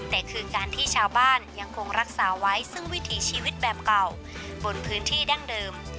แต่คือการที่ชาวบ้านยังคงรักษาไว้ซึ่งวิถีชีวิตแบบเก่าบนพื้นที่ดั้งเดิม